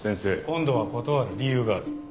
今度は断る理由がある。